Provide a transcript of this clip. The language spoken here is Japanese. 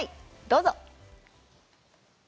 どうぞ。